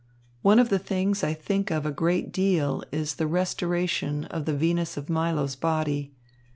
One of the things I think of a great deal is the restoration of the Venus of Milo's body.